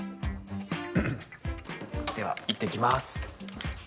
では、行ってきます。